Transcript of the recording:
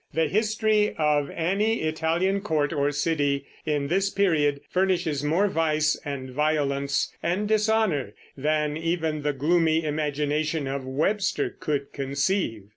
The history of any Italian court or city in this period furnishes more vice and violence and dishonor than even the gloomy imagination of Webster could conceive.